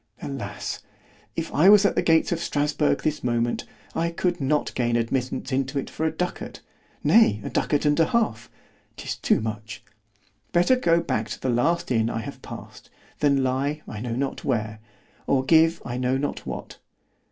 —Alas! if I was at the gates of Strasburg this moment, I could not gain admittance into it for a ducat—nay a ducat and half—'tis too much—better go back to the last inn I have passed——than lie I know not where——or give I know not what.